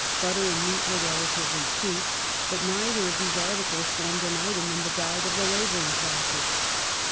butter and meat were relatively cheap, but neither of these articles formed an item in the diet of the labouring classes.